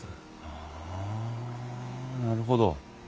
はあなるほど。